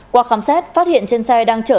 qua khám xét phát hiện trên xe đang chở